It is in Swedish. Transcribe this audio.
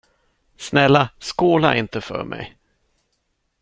Snälla, skåla inte för mig.